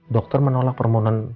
dokter menolak permohonan